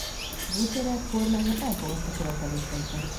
Gudzsarát kormánya elfogadta követeléseiket.